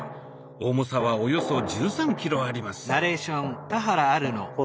重さはおよそ１３ｋｇあります。